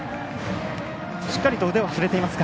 しっかりと腕は振れていますか？